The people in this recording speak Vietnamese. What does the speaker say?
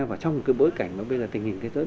và trong cái bối cảnh bây giờ tình hình thế giới